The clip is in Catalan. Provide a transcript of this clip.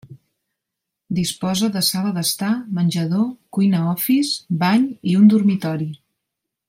Disposa de sala d'estar menjador, cuina office, bany i un dormitori.